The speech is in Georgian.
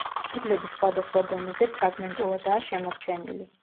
კედლები სხვადასხვა დონეზე ფრაგმენტულადაა შემორჩენილი.